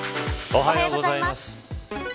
おはようございます。